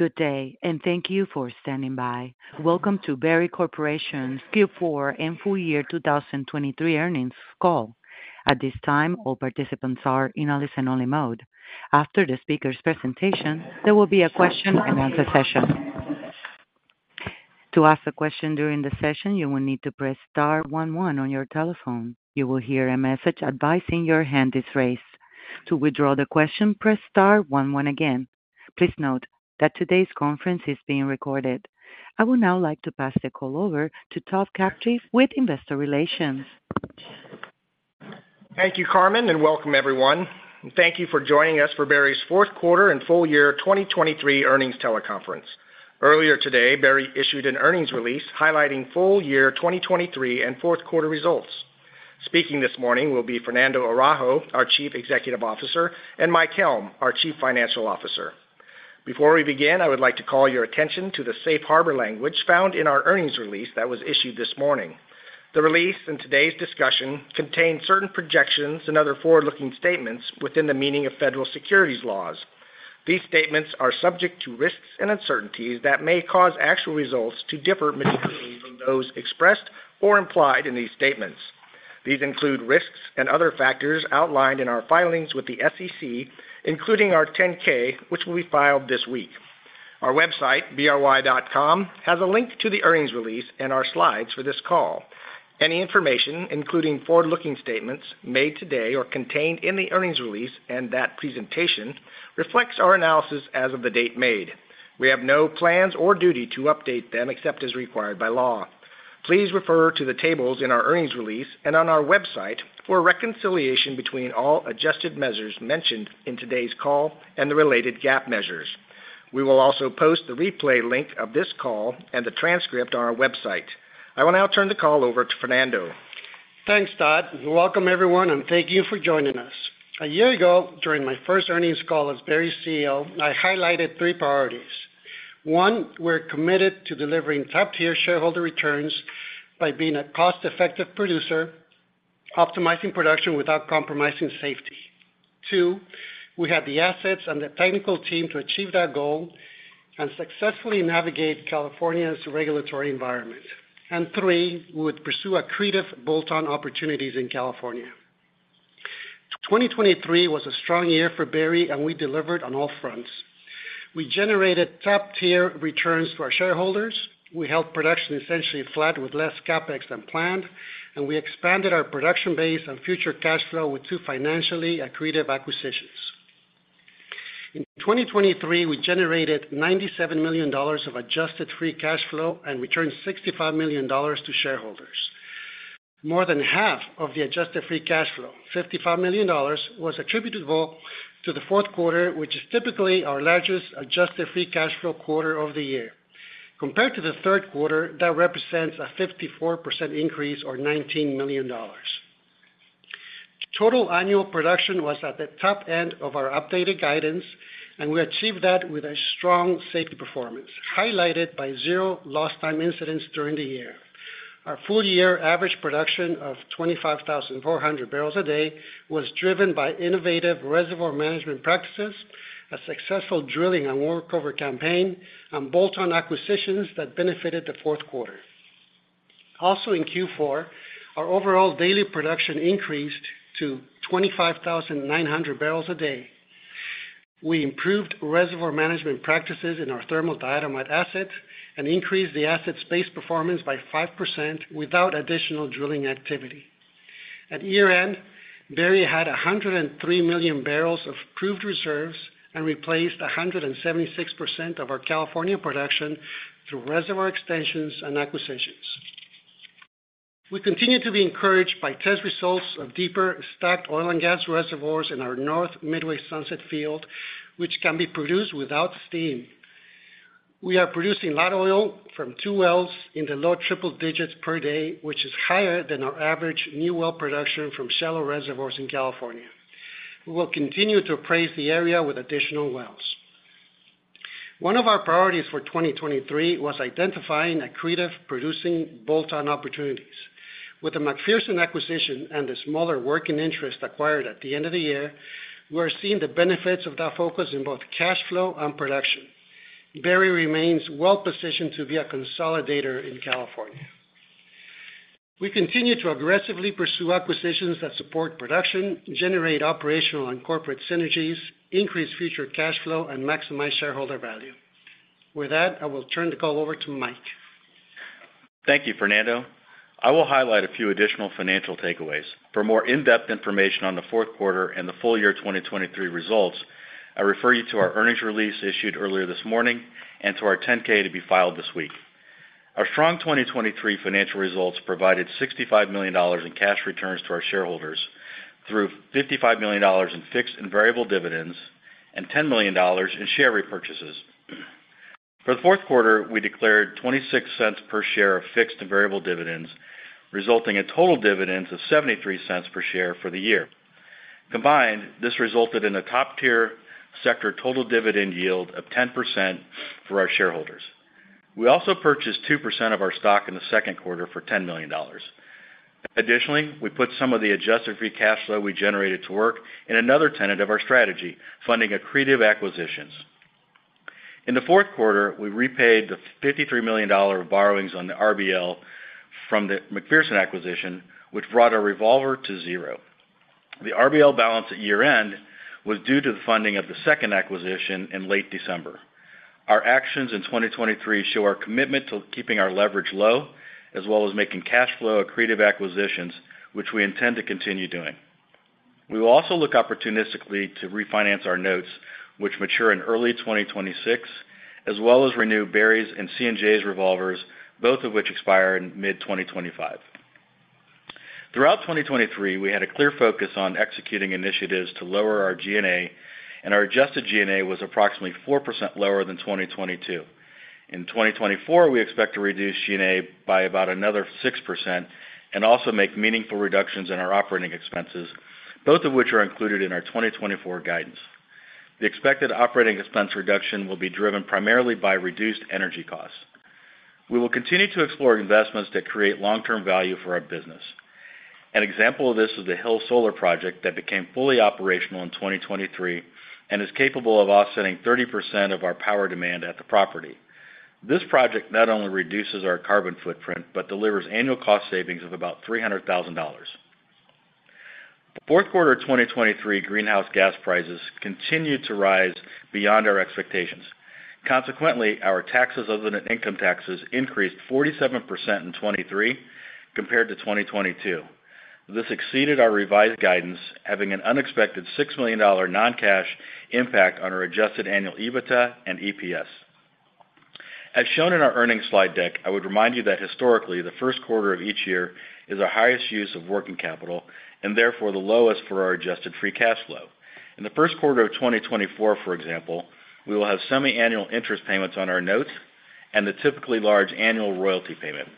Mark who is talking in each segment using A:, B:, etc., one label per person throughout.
A: Good day, and thank you for standing by. Welcome to Berry Corporation Q4 and full year 2023 earnings call. At this time, all participants are in a listen-only mode. After the speaker's presentation, there will be a question-and-answer session. To ask a question during the session, you will need to press star 11 on your telephone. You will hear a message advising your hand is raised. To withdraw the question, press star 11 again. Please note that today's conference is being recorded. I would now like to pass the call over to Todd Crabtree with Investor Relations.
B: Thank you, Carmen, and welcome everyone. Thank you for joining us for Berry's fourth quarter and full year 2023 earnings teleconference. Earlier today, Berry issued an earnings release highlighting full year 2023 and fourth quarter results. Speaking this morning will be Fernando Araujo, our Chief Executive Officer, and Mike Helm, our Chief Financial Officer. Before we begin, I would like to call your attention to the safe harbor language found in our earnings release that was issued this morning. The release and today's discussion contain certain projections and other forward-looking statements within the meaning of federal securities laws. These statements are subject to risks and uncertainties that may cause actual results to differ materially from those expressed or implied in these statements. These include risks and other factors outlined in our filings with the SEC, including our 10-K, which will be filed this week. Our website, bry.com, has a link to the earnings release and our slides for this call. Any information, including forward-looking statements made today or contained in the earnings release and that presentation, reflects our analysis as of the date made. We have no plans or duty to update them except as required by law. Please refer to the tables in our earnings release and on our website for reconciliation between all adjusted measures mentioned in today's call and the related GAAP measures. We will also post the replay link of this call and the transcript on our website. I will now turn the call over to Fernando.
C: Thanks, Todd. Welcome everyone, and thank you for joining us. A year ago, during my first earnings call as Berry's CEO, I highlighted three priorities. One, we're committed to delivering top-tier shareholder returns by being a cost-effective producer, optimizing production without compromising safety. Two, we have the assets and the technical team to achieve that goal and successfully navigate California's regulatory environment. And three, we would pursue creative bolt-on opportunities in California. 2023 was a strong year for Berry, and we delivered on all fronts. We generated top-tier returns to our shareholders. We held production essentially flat with less CapEx than planned, and we expanded our production base and future cash flow with two financially accretive acquisitions. In 2023, we generated $97 million of Adjusted Free Cash Flow and returned $65 million to shareholders. More than half of the adjusted free cash flow, $55 million, was attributed to the fourth quarter, which is typically our largest adjusted free cash flow quarter of the year. Compared to the third quarter, that represents a 54% increase or $19 million. Total annual production was at the top end of our updated guidance, and we achieved that with a strong safety performance, highlighted by zero lost-time incidents during the year. Our full-year average production of 25,400 barrels a day was driven by innovative reservoir management practices, a successful drilling and workover campaign, and bolt-on acquisitions that benefited the fourth quarter. Also in Q4, our overall daily production increased to 25,900 barrels a day. We improved reservoir management practices in our thermal diatomite asset and increased the asset's base performance by 5% without additional drilling activity. At year-end, Berry had 103 million barrels of proved reserves and replaced 176% of our California production through reservoir extensions and acquisitions. We continue to be encouraged by test results of deeper stacked oil and gas reservoirs in our North Midway-Sunset field, which can be produced without steam. We are producing light oil from two wells in the low triple digits per day, which is higher than our average new well production from shallow reservoirs in California. We will continue to appraise the area with additional wells. One of our priorities for 2023 was identifying accretive producing bolt-on opportunities. With the Macpherson acquisition and the smaller working interest acquired at the end of the year, we are seeing the benefits of that focus in both cash flow and production. Berry remains well positioned to be a consolidator in California. We continue to aggressively pursue acquisitions that support production, generate operational and corporate synergies, increase future cash flow, and maximize shareholder value. With that, I will turn the call over to Mike.
D: Thank you, Fernando. I will highlight a few additional financial takeaways. For more in-depth information on the fourth quarter and the full year 2023 results, I refer you to our earnings release issued earlier this morning and to our 10-K to be filed this week. Our strong 2023 financial results provided $65 million in cash returns to our shareholders through $55 million in fixed and variable dividends and $10 million in share repurchases. For the fourth quarter, we declared $0.26 per share of fixed and variable dividends, resulting in total dividends of $0.73 per share for the year. Combined, this resulted in a top-tier sector total dividend yield of 10% for our shareholders. We also purchased 2% of our stock in the second quarter for $10 million. Additionally, we put some of the Adjusted Free Cash Flow we generated to work in another tenet of our strategy, funding accretive acquisitions. In the fourth quarter, we repaid the $53 million of borrowings on the RBL from the Macpherson acquisition, which brought our revolver to zero. The RBL balance at year-end was due to the funding of the second acquisition in late December. Our actions in 2023 show our commitment to keeping our leverage low, as well as making cash flow accretive acquisitions, which we intend to continue doing. We will also look opportunistically to refinance our notes, which mature in early 2026, as well as renew Berry's and C&J's revolvers, both of which expire in mid-2025. Throughout 2023, we had a clear focus on executing initiatives to lower our G&A, and our adjusted G&A was approximately 4% lower than 2022. In 2024, we expect to reduce G&A by about another 6% and also make meaningful reductions in our operating expenses, both of which are included in our 2024 guidance. The expected operating expense reduction will be driven primarily by reduced energy costs. We will continue to explore investments that create long-term value for our business. An example of this is the Hill Solar project that became fully operational in 2023 and is capable of offsetting 30% of our power demand at the property. This project not only reduces our carbon footprint but delivers annual cost savings of about $300,000. Fourth quarter 2023 greenhouse gas prices continued to rise beyond our expectations. Consequently, our taxes other than income taxes increased 47% in 2023 compared to 2022. This exceeded our revised guidance, having an unexpected $6 million non-cash impact on our adjusted annual EBITDA and EPS. As shown in our earnings slide deck, I would remind you that historically, the first quarter of each year is our highest use of working capital and therefore the lowest for our adjusted free cash flow. In the first quarter of 2024, for example, we will have semi-annual interest payments on our notes and the typically large annual royalty payment.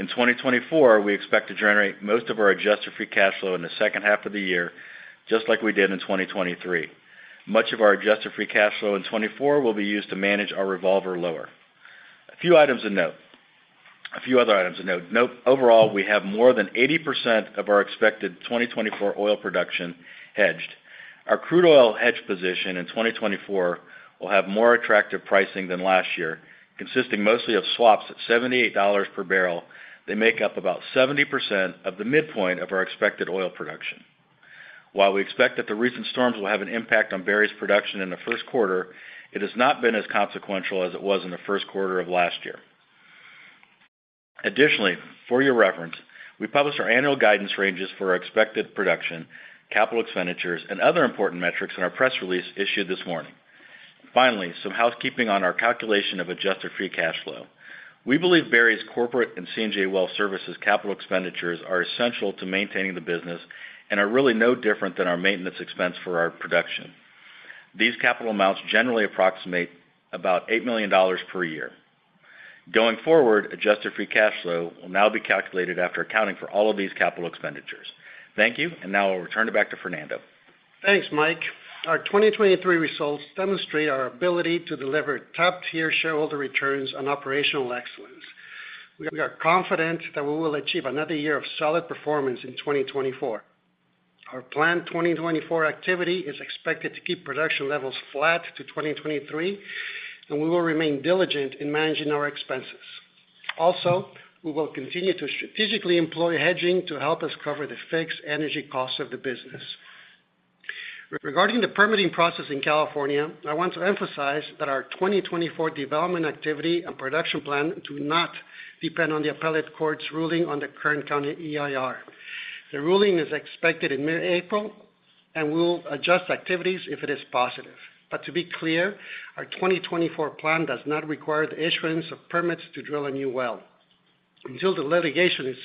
D: In 2024, we expect to generate most of our adjusted free cash flow in the second half of the year, just like we did in 2023. Much of our adjusted free cash flow in 2024 will be used to manage our revolver lower. A few items to note. A few other items to note. Overall, we have more than 80% of our expected 2024 oil production hedged. Our crude oil hedge position in 2024 will have more attractive pricing than last year, consisting mostly of swaps at $78 per barrel that make up about 70% of the midpoint of our expected oil production. While we expect that the recent storms will have an impact on Berry's production in the first quarter, it has not been as consequential as it was in the first quarter of last year. Additionally, for your reference, we published our annual guidance ranges for our expected production, capital expenditures, and other important metrics in our press release issued this morning. Finally, some housekeeping on our calculation of Adjusted Free Cash Flow. We believe Berry's corporate and C&J Well Services capital expenditures are essential to maintaining the business and are really no different than our maintenance expense for our production. These capital amounts generally approximate about $8 million per year. Going forward, Adjusted Free Cash Flow will now be calculated after accounting for all of these capital expenditures. Thank you, and now I'll return it back to Fernando.
C: Thanks, Mike. Our 2023 results demonstrate our ability to deliver top-tier shareholder returns and operational excellence. We are confident that we will achieve another year of solid performance in 2024. Our planned 2024 activity is expected to keep production levels flat to 2023, and we will remain diligent in managing our expenses. Also, we will continue to strategically employ hedging to help us cover the fixed energy costs of the business. Regarding the permitting process in California, I want to emphasize that our 2024 development activity and production plan do not depend on the appellate court's ruling on the current county EIR. The ruling is expected in mid-April, and we'll adjust activities if it is positive. But to be clear, our 2024 plan does not require the issuance of permits to drill a new well. Until the litigation is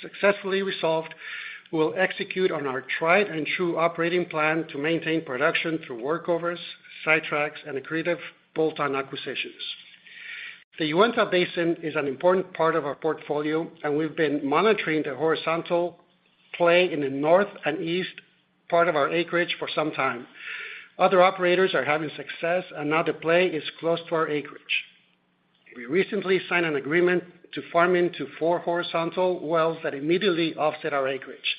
C: successfully resolved, we will execute on our tried-and-true operating plan to maintain production through workovers, sidetracks, and accretive bolt-on acquisitions. The Uinta Basin is an important part of our portfolio, and we've been monitoring the horizontal play in the north and east part of our acreage for some time. Other operators are having success, and now the play is close to our acreage. We recently signed an agreement to farm into 4 horizontal wells that immediately offset our acreage.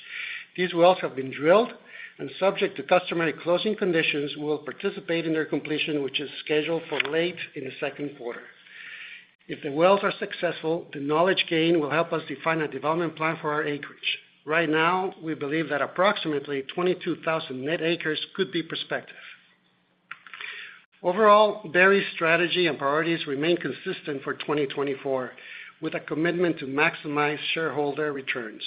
C: These wells have been drilled and, subject to customary closing conditions, will participate in their completion, which is scheduled for late in the second quarter. If the wells are successful, the knowledge gain will help us define a development plan for our acreage. Right now, we believe that approximately 22,000 net acres could be prospective. Overall, Berry's strategy and priorities remain consistent for 2024, with a commitment to maximize shareholder returns.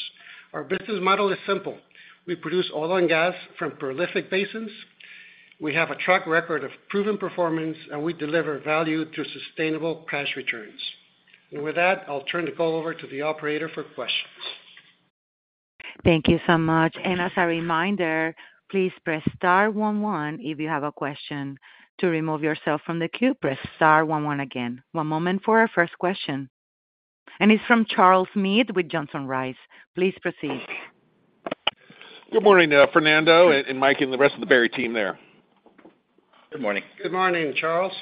C: Our business model is simple. We produce oil and gas from prolific basins. We have a track record of proven performance, and we deliver value through sustainable cash returns. With that, I'll turn the call over to the operator for questions.
A: Thank you so much. And as a reminder, please press star 11 if you have a question. To remove yourself from the queue, press star 11 again. One moment for our first question. And it's from Charles Meade with Johnson Rice. Please proceed.
E: Good morning, Fernando and Mike and the rest of the Berry team there.
D: Good morning.
C: Good morning, Charles.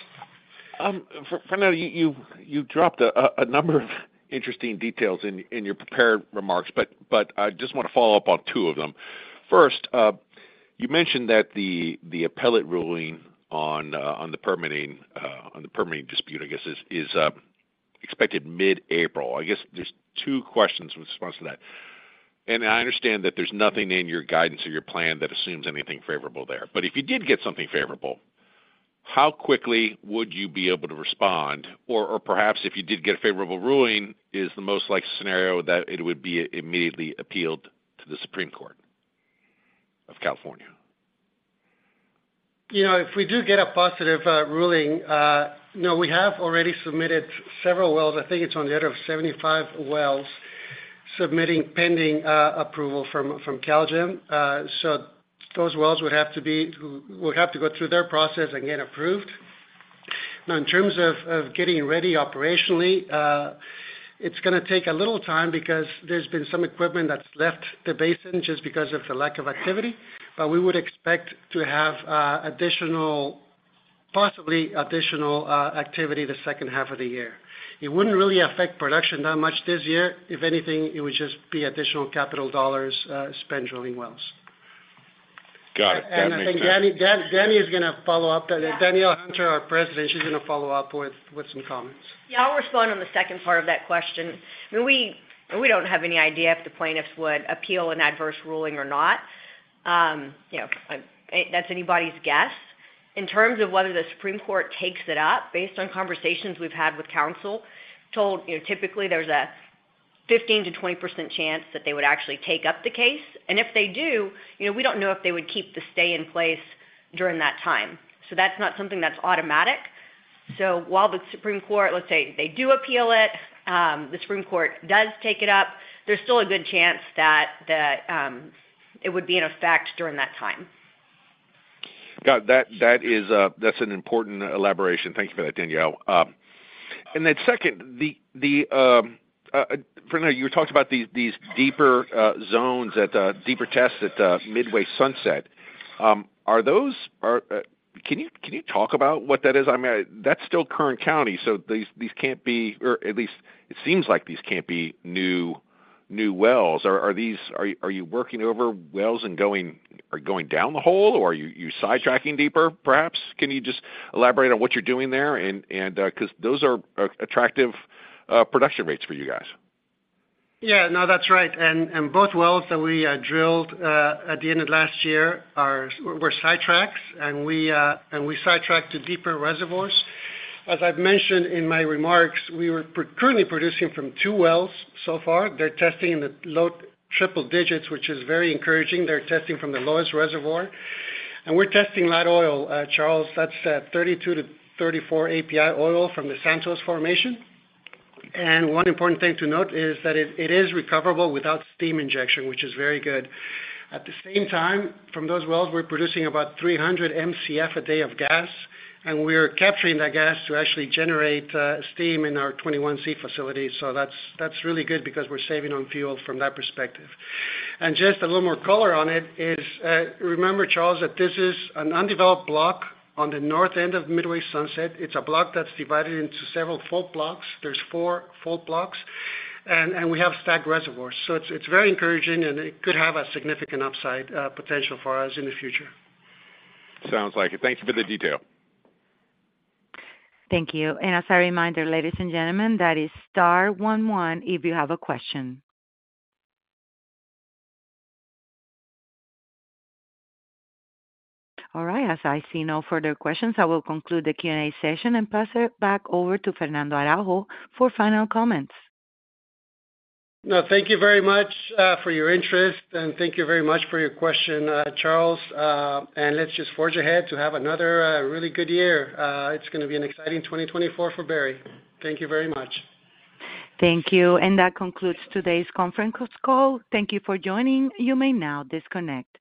E: Fernando, you dropped a number of interesting details in your prepared remarks, but I just want to follow up on two of them. First, you mentioned that the appellate ruling on the permitting dispute, I guess, is expected mid-April. I guess there's two questions in response to that. I understand that there's nothing in your guidance or your plan that assumes anything favorable there. But if you did get something favorable, how quickly would you be able to respond? Or perhaps if you did get a favorable ruling, is the most likely scenario that it would be immediately appealed to the Supreme Court of California?
C: If we do get a positive ruling, we have already submitted several wells. I think it's on the order of 75 wells pending approval from CalGEM. So those wells would have to go through their process and get approved. Now, in terms of getting ready operationally, it's going to take a little time because there's been some equipment that's left the basin just because of the lack of activity. But we would expect to have additional possibly additional activity the second half of the year. It wouldn't really affect production that much this year. If anything, it would just be additional capital dollars spent drilling wells.
E: Got it. That makes sense.
C: I think Danny is going to follow up. Danielle Hunter, our President, she's going to follow up with some comments.
F: Yeah, I'll respond on the second part of that question. I mean, we don't have any idea if the plaintiffs would appeal an adverse ruling or not. That's anybody's guess. In terms of whether the Supreme Court takes it up, based on conversations we've had with counsel, typically there's a 15%-20% chance that they would actually take up the case. And if they do, we don't know if they would keep the stay in place during that time. So that's not something that's automatic. So while the Supreme Court let's say they do appeal it, the Supreme Court does take it up, there's still a good chance that it would be in effect during that time.
E: Got it. That's an important elaboration. Thank you for that, Danielle. And then second, Fernando, you were talking about these deeper zones at deeper tests at Midway-Sunset. Can you talk about what that is? I mean, that's still Kern County, so these can't be or at least it seems like these can't be new wells. Are you working over wells and going down the hole, or are you sidetracking deeper, perhaps? Can you just elaborate on what you're doing there? Because those are attractive production rates for you guys.
C: Yeah, no, that's right. And both wells that we drilled at the end of last year were sidetracks, and we sidetracked to deeper reservoirs. As I've mentioned in my remarks, we were currently producing from two wells so far. They're testing in the low triple digits, which is very encouraging. They're testing from the lowest reservoir. And we're testing light oil, Charles. That's 32-34 API oil from the Santos Formation. And one important thing to note is that it is recoverable without steam injection, which is very good. At the same time, from those wells, we're producing about 300 MCF a day of gas, and we're capturing that gas to actually generate steam in our 21Z facility. So that's really good because we're saving on fuel from that perspective. And just a little more color on it is remember, Charles, that this is an undeveloped block on the north end of Midway-Sunset. It's a block that's divided into several fault blocks. There's four fault blocks, and we have stacked reservoirs. So it's very encouraging, and it could have a significant upside potential for us in the future.
E: Sounds like it. Thank you for the detail.
A: Thank you. As a reminder, ladies and gentlemen, that is star 11 if you have a question. All right. As I see no further questions, I will conclude the Q&A session and pass it back over to Fernando Araujo for final comments.
C: No, thank you very much for your interest, and thank you very much for your question, Charles. Let's just forge ahead to have another really good year. It's going to be an exciting 2024 for Berry. Thank you very much.
A: Thank you. That concludes today's conference call. Thank you for joining. You may now disconnect.